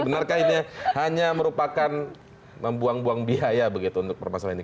benarkah ini hanya merupakan membuang buang biaya begitu untuk permasalahan ini